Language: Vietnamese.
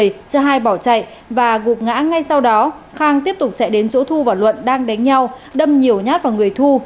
cho hai bỏ chạy và gục ngã ngay sau đó khang tiếp tục chạy đến chỗ thu và luận đang đánh nhau đâm nhiều nhát vào người thu